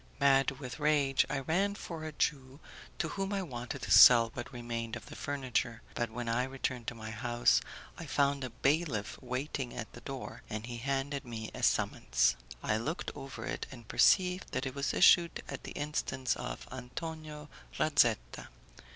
Mad with rage, I ran for a Jew, to whom I wanted to sell what remained of the furniture, but when I returned to my house I found a bailiff waiting at the door, and he handed me a summons. I looked over it and perceived that it was issued at the instance of Antonio Razetta.